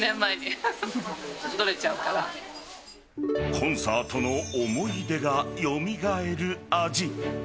コンサートの思い出が蘇る味。